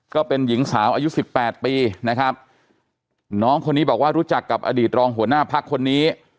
ก็เป็นหญิงสาวอายุสิบแปดปีนะครับน้องคนนี้บอกว่ารู้จักกับอดีตรองหัวหน้าพักคนนี้